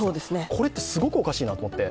これってすごくおかしいなと思って。